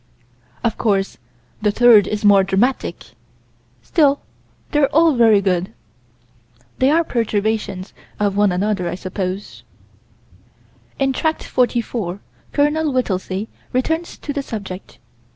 Of course the third is more dramatic still they're all very good. They are perturbations of one another, I suppose. In Tract 44, Col. Whittelsey returns to the subject.